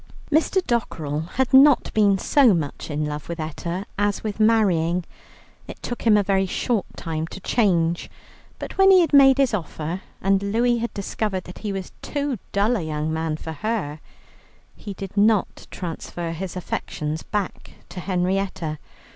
Mr. Dockerell had not been so much in love with Etta as with marrying. It took him a very short time to change, but when he had made his offer and Louie had discovered that he was too dull a young man for her, he did not transfer his affections back to Henrietta.